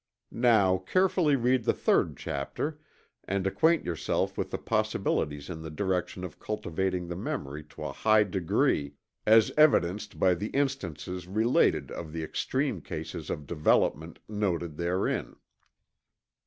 Now carefully read the third chapter and acquaint yourself with the possibilities in the direction of cultivating the memory to a high degree, as evidenced by the instances related of the extreme case of development noted therein.